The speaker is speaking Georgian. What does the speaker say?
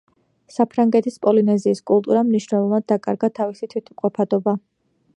საფრანგეთის პოლინეზიის კულტურამ მნიშვნელოვნად დაკარგა თავისი თვითმყოფადობა.